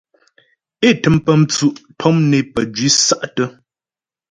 É tə́m pə́ mtsʉ' tɔm né pəjwǐ sa'tə́.